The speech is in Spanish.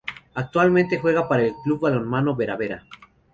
Actualmente juega para el club Balonmano Bera Bera.